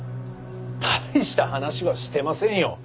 大した話はしてませんよ。